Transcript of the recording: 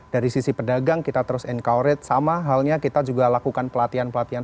dari sisi pedagang kita terus encourage sama halnya kita juga lakukan pelatihan pelatihan